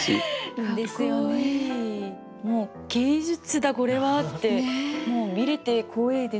もう「芸術だこれは！」ってもう見れて光栄です。